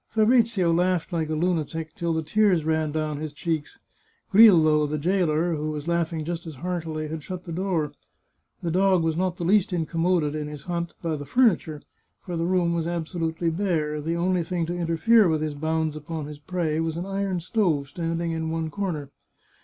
Fabrizio laughed like a lunatic, till the tears ran down his cheeks ; Grillo, the jailer, who was laughing just as heartily, had shut the door. The dog was not the least incommoded in his hunt by the furniture, for the room was absolutely bare; the only thing to interfere with his bounds upon his prey was an iron stove standing in one corner.